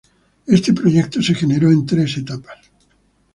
Este proyecto se generó en tres etapas.